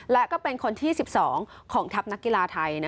และก็เป็นคนที่๑๒ของทัพนักกีฬาไทย